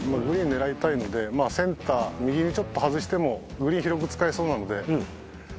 グリーン狙いたいのでセンター右へちょっと外してもグリーン広く使えそうなので。